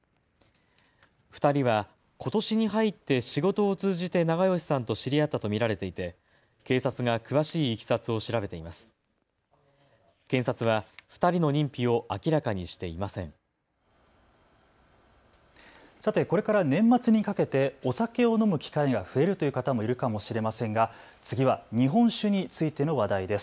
２人はことしに入って仕事を通じて長葭さんと知り合ったと見られていて警察が詳しいいきさつを調べています。